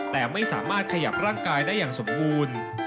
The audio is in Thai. แต่ไม่สามารถขยับร่างกายได้อย่างสมบูรณ์